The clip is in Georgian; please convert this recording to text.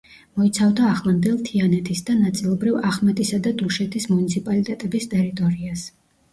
მოიცავდა ახლანდელ თიანეთის და ნაწილობრივ ახმეტისა და დუშეთის მუნიციპალიტეტების ტერიტორიას.